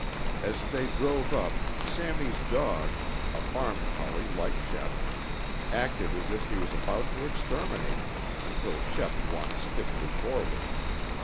As they drove up, Sammy's dog, a farm collie like Shep, acted as if he was about to exterminate them until Shep walked stiffly forward.